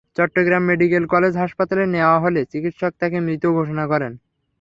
Chittagong medical college হাসপাতালে নেওয়া হলে চিকিৎসক তাঁকে মৃত ঘোষণা করেন।